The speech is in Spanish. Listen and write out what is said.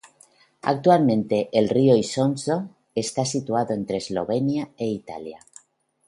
Actualmente el río Isonzo está situado entre Eslovenia e Italia.